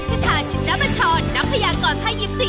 อุปสรรพ์